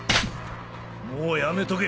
もうやめとけ。